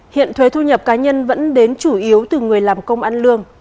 hiện thuế thu nhập cá nhân vẫn đến chủ yếu từ người làm công ăn lương